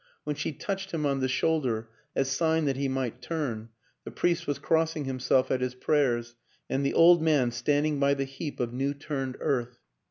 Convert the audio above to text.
When she touched him on the shoulder, as sign that he might turn, the priest was crossing himself at his prayers and the old man standing by the heap of new turned earth.